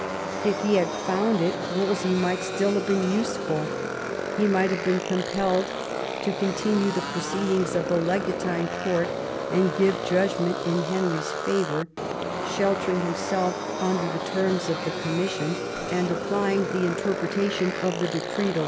If he had found it Wolsey might still have been useful. He might have been compelled to continue the proceedings of the legatine court, and give judgment in Henry's favour, sheltering himself under the terms of the commission, and applying the interpretation of the decretal.